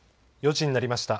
４時になりました。